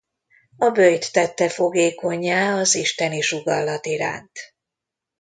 A böjt tette fogékonnyá az isteni sugallat iránt.